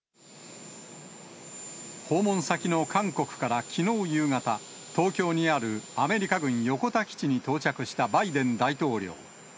訪問先の韓国からきのう夕方、東京にあるアメリカ軍横田基地に到着したバイデン大統領。